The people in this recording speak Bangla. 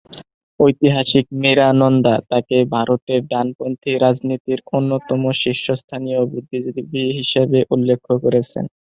ঐতিহাসিক মীরা নন্দা তাঁকে ভারতের ডানপন্থী রাজনীতির অন্যতম শীর্ষস্থানীয় বুদ্ধিজীবী হিসাবে উল্লেখ করেছেন।